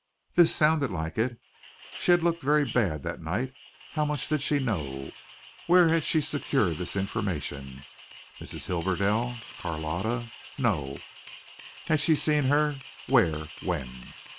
This sounded like it. She had looked very bad that night. How much did she know? Where had she secured this information? Mrs. Hibberdell? Carlotta? No! Had she seen her? Where? When?